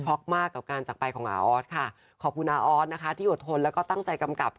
มากกับการจักรไปของอาออสค่ะขอบคุณอาออสนะคะที่อดทนแล้วก็ตั้งใจกำกับ